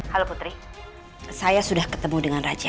halo putri saya sudah ketemu dengan raja